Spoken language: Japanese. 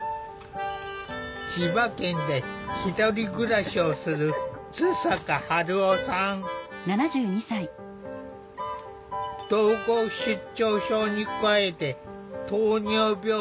千葉県でひとり暮らしをする統合失調症に加えて糖尿病や心臓の持病がある。